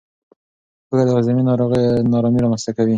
هوږه د هاضمې نارامي رامنځته کوي.